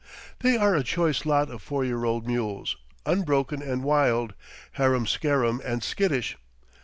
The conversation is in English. They are a choice lot of four year old mules, unbroken and wild, harum skarum and skittish.